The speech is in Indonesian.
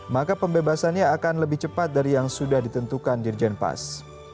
maka pembebasannya akan lebih cepat dari yang sudah ditentukan dirjen pas